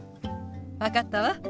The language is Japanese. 分かったわ。